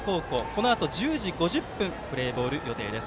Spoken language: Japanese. このあと１０時５０分プレーボール予定です。